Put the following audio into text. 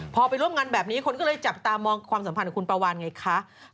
พอไปร่วมงานแบบนี้คนก็เลยจับตามองความสัมพันธ์ของคุณปาวานไงคะ